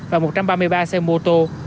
và một trăm ba mươi ba xe mô tô